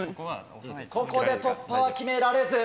ここで突破は決められず。